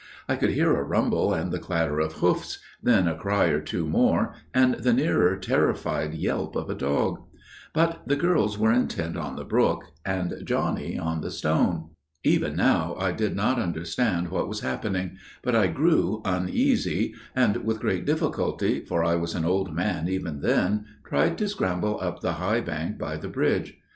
I could hear a rumble and the clatter of hoofs, then a cry or two more, and the nearer terrified yelp of a dog. But the girls were intent on the brook––and Johnny on the stone. "Even now I did not understand what was happening: but I grew uneasy––and with great difficulty, for I was an old man even then, tried to scramble up the high bank by the bridge.